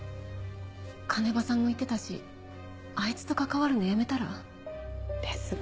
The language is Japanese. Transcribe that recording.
鐘場さんも言ってたしあいつと関わるのやめたら？ですが。